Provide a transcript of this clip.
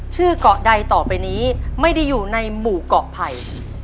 เกาะใดต่อไปนี้ไม่ได้อยู่ในหมู่เกาะไผ่